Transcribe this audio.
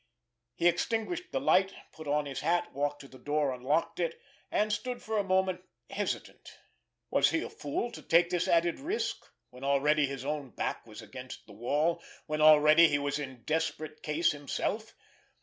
He extinguished the light, put on his hat, walked to the door, unlocked it—and stood for a moment hesitant. Was he a fool to take this added risk, when already his own back was against the wall, when already he was in desperate case himself?